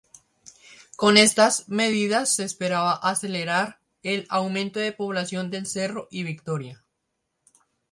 Con estas medidas se esperaba acelerar el aumento de población del Cerro y Victoria.